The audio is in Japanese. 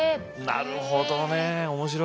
なるほどね面白いね。